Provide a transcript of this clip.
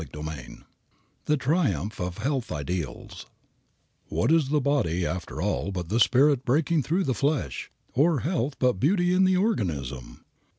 CHAPTER XI THE TRIUMPH OF HEALTH IDEALS "What is the body after all but the spirit breaking through the flesh, or health but beauty in the organism?"